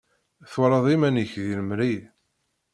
Twalaḍ iman-ik deg lemri.